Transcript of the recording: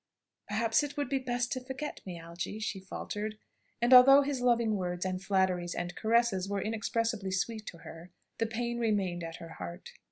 "Perhaps it would be best to forget me, Algy," she faltered. And although his loving words, and flatteries, and caresses, were inexpressibly sweet to her, the pain remained at her heart.